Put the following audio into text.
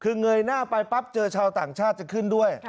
คือเงยหน้าไปปั๊บเจอชาวต่างชาติจะขึ้นด้วย